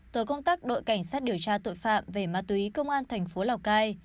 tổ công tác đội cảnh sát điều tra tội phạm về ma túy công an thành phố lào cai